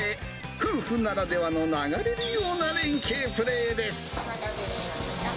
夫婦ならではの流れるような連係プレーです。